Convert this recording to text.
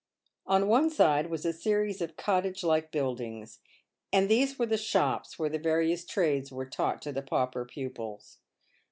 On one side was a series of cottage like buildings ; and these were the shops where the various trades were taught to the pauper pupils.